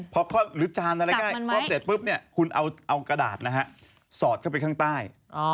พร้อมเสร็จปุ๊บคุณเอากระดาษสอดเข้าไปข้างใต้